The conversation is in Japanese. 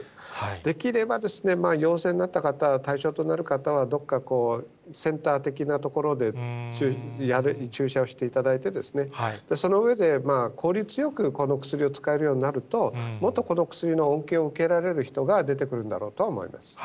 できれば陽性になった方、対象となる方は、どこかセンター的な所で、注射をしていただいて、その上で効率よくこの薬を使えるようになると、もっとこのお薬の恩恵を受けるられる方が出てくるんだと思います。